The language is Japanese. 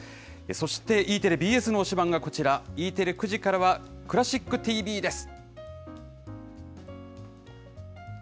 そしてＥテレ、ＢＳ推しバン！が、こちら、Ｅテレ９時からはクラシックＴＶです。